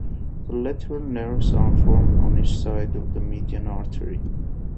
Ten lateral nerves are formed on each side of the median artery.